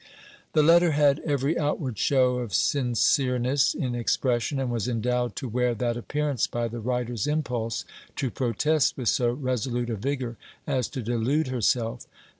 The letter had every outward show of sincereness in expression, and was endowed to wear that appearance by the writer's impulse to protest with so resolute a vigour as to delude herself.